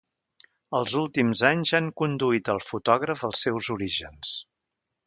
Els últims anys han conduït al fotògraf als seus orígens.